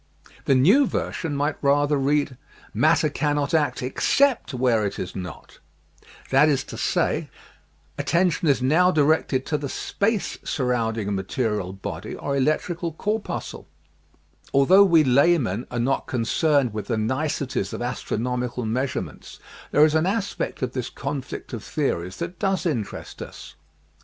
The new version might rather read :" matter cannot act except where it is not." That is to s^y, at * Sir Joseph Thomson in Nature, December 4, 1919. 98 EASY LESSONS IN EINSTEIN tention is now directed to the space surrounding a material body or electrical corpuscle. Although we laymen are not concerned with the niceties of astronomical measurements there is an aspect of this conflict of theories that does interest us.